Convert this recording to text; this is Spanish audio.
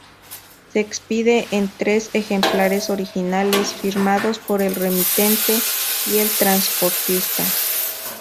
Se expide en tres ejemplares originales, firmados por el remitente y el transportista.